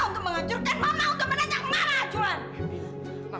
untuk menghancurkan mama untuk menanjak marah juhan